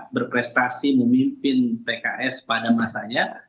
berprestasi memimpin pks pada masanya